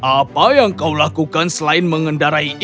apa yang kau lakukan selain mengendarai ikan ralph